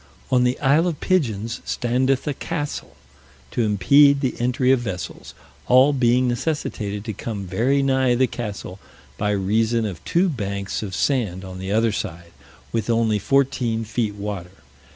On the Isle of Pigeons standeth a castle, to impede the entry of vessels, all being necessitated to come very nigh the castle, by reason of two banks of sand on the other side, with only fourteen feet water.